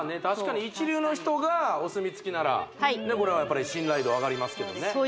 確かに一流の人がお墨付きならねっこれはやっぱり信頼度上がりますけどね